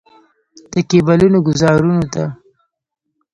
د کیبلونو ګوزارونو ته.